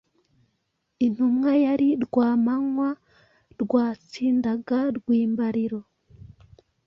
Intumwa yari Rwamanywa Rwatsindaga Rwimbariro,